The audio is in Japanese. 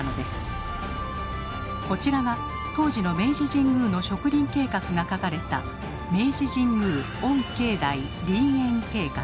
こちらが当時の明治神宮の植林計画が書かれた「明治神宮御境内林苑計画」。